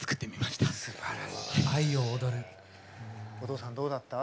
お父さんどうだった？